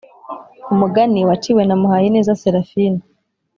Umugani waciwe na Muhayineza Seraphina,